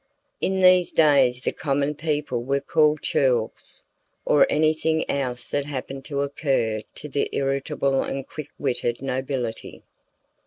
In these days the common people were called churls, or anything else that happened to occur to the irritable and quick witted nobility.